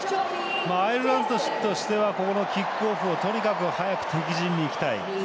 アイルランドとしてはここのキックオフをとにかく速く敵陣に行きたい。